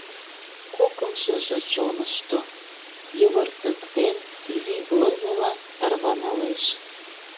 Кокымшыжо чонышто, йывыртыктен, изи лывыла тарванылеш.